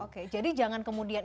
oke jadi jangan kemudian